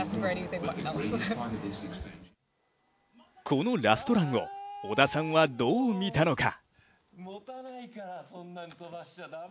このラストランを織田さんはどう見たのか。